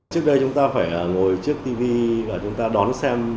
trước đây chúng ta phải ngồi trước tv và chúng ta đón xem